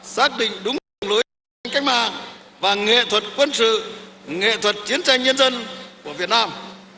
xác định đúng đường lối chiến tranh cách mạng và nghệ thuật quân sự nghệ thuật chiến tranh nhân dân của việt nam